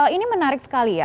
ini menarik sekali ya